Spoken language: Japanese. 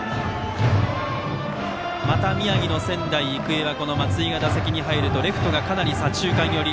また宮城の仙台育英は松井が打席に入るとレフトがかなり左中間寄り。